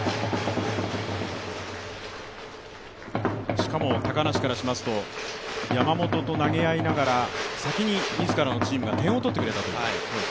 しかも高梨からしますと、山本と投げ合いながら先に自らのチームが点を取ってくれたという。